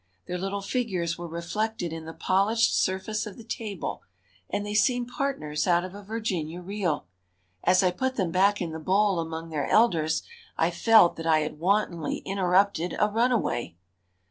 Their little figures were reflected in the polished surface of the table, and they seemed partners out of a Virginia reel. As I put them back in the bowl among their elders, I felt that I had wantonly interrupted a runaway.